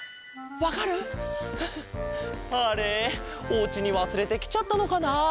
おうちにわすれてきちゃったのかなあ？